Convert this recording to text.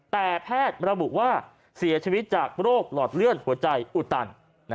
แต่แพทย์ระบุว่าเสียชีวิตจากโรคหลอดเลือดหัวใจอุตัน